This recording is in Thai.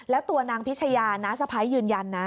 แล้วตัวนางพิชยาน้าสะพ้ายยืนยันนะ